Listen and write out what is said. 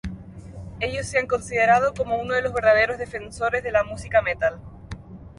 Ellos se han considerado como uno de los verdaderos defensores de la música metal.